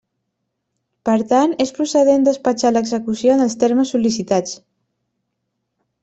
Per tant, és procedent despatxar l'execució en els termes sol·licitats.